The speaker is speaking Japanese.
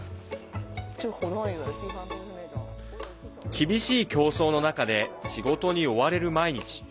厳しい競争の中で仕事に追われる毎日。